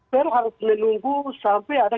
per harus menunggu sampai ada